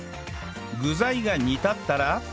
具材が煮立ったら